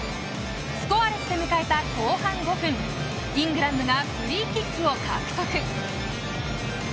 スコアレスで迎えた後半５分イングランドがフリーキックを獲得。